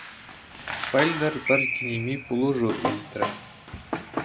Пӗлтӗр пӗр кинеми пулӑшу ыйтрӗ.